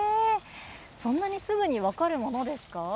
そんなにすぐに分かるものですか。